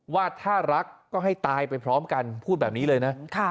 ว่าถ้ารักก็ให้ตายไปพร้อมกันพูดแบบนี้เลยนะ